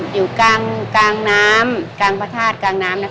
อยู่กลางน้ำกลางพระธาตุกลางน้ำ